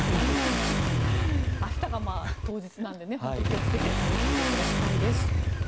明日が当日なので本当に気をつけて楽しんでいただきたいです。